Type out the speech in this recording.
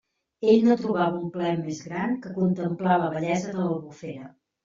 Ell no trobava un plaer més gran que contemplar la bellesa de l'Albufera.